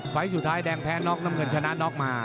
ไฟล์ติดสุดท้ายแดงแพ้นอกน้ำเงินชนะนอกมา